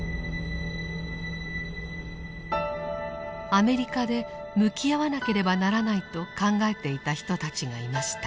アメリカで向き合わなければならないと考えていた人たちがいました。